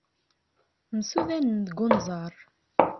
Msudanen deg unẓar.